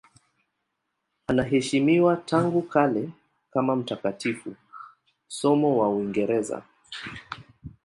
Anaheshimiwa tangu kale kama mtakatifu, somo wa Uingereza.